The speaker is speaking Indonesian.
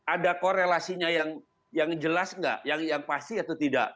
ada korelasinya yang jelas atau tidak